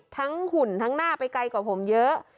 หุ่นทั้งหน้าไปไกลกว่าผมเยอะ